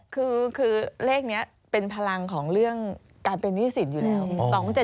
คือเลขนี้เป็นพลังของเรื่องการเป็นหนี้สินอยู่แล้ว